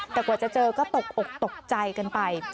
แต่กว่าจะเจอก็ตกอกตกใจกันไป